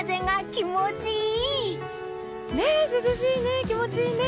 気持ちいいね！